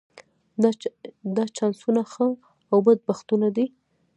دا چانسونه ښه او بد بختونه دي.